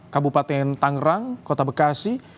kabupaten tangerang kota bekasi